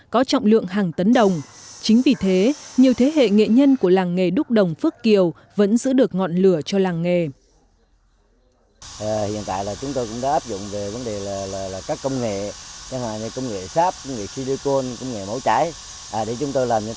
các sản phẩm của làng đúc đồng phước kiều đã được unesco vinh danh và bảo tồn không gian văn hóa cồng chiêng tây nguyên đã được unesco vinh danh